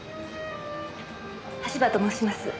橋場と申します。